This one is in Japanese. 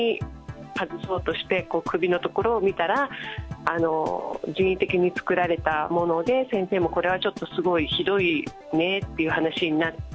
外そうとして首の所を見たら、人為的に作られたもので、先生もこれはちょっと、すごいひどいねっていう話になって。